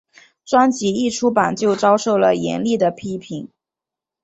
专辑一出版就遭受了严厉的批评。